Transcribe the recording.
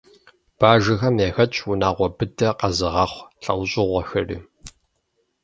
Бэжэхэм яхэтщ унагъуэ быдэ къэзыгъэхъу лӏэужьыгъуэхэри.